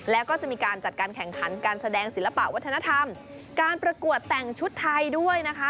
แล้วก็จะมีการจัดการแข่งขันการแสดงศิลปะวัฒนธรรมการประกวดแต่งชุดไทยด้วยนะคะ